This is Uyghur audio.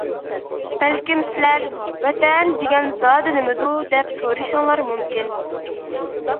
بەلكىم سىلەر» ۋەتەن «دېگەن زادى نېمىدۇ، دەپ سورىشىڭلار مۇمكىن.